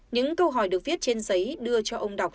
những câu hỏi được viết trên giấy đưa cho ông đọc